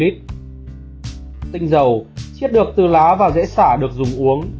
tinh dầu chiết được từ lá và dễ xả được dùng uống